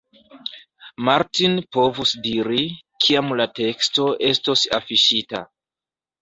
Martin povus diri, kiam la teksto estos afiŝita.